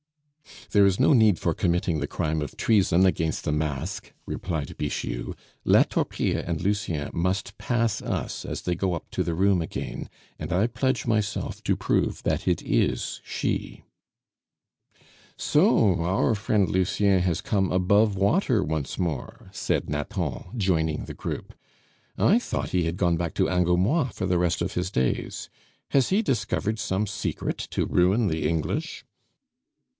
"There is no need for committing the crime of treason against a mask," replied Bixiou. "La Torpille and Lucien must pass us as they go up the room again, and I pledge myself to prove that it is she." "So our friend Lucien has come above water once more," said Nathan, joining the group. "I thought he had gone back to Angoumois for the rest of his days. Has he discovered some secret to ruin the English?"